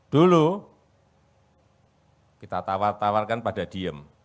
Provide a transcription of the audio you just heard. dulu kita tawar tawarkan pada diem